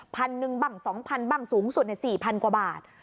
๑๐๐๐บัง๒๐๐๐บังสูงสุด๔๐๐๐กว่าบาท